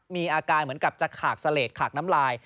มีอาการเหมือนกับจะขากเสลดขากน้ำลาย